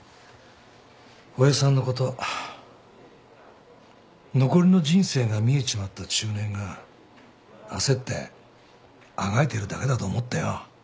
親父さんのこと残りの人生が見えちまった中年が焦ってあがいてるだけだと思ってよ